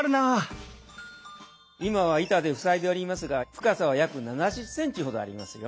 今は板で塞いでおりますが深さは約７０センチほどありますよ。